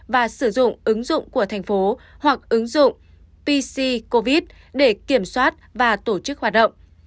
và sử dụng ứng dụng của thành phố hoặc ứng dụng pc covid để kiểm soát và tổ chức hoạt động